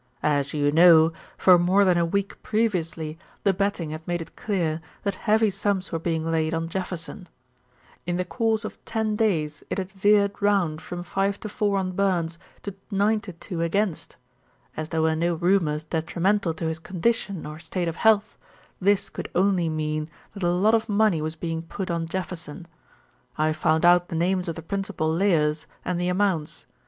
"As you know, for more than a week previously the betting had made it clear that heavy sums were being laid on Jefferson. In the course of ten days it had veered round from 5 to 4 on Burns to 9 to 2 against. As there were no rumours detrimental to his condition or state of health, this could only mean that a lot of money was being put on Jefferson. I found out the names of the principal layers and the amounts.